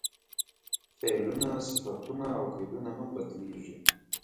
فعلونه، صفتونه او قیدونه هم بدلېږي.